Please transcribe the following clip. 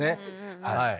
はい。